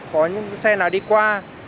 có những xe nào đi qua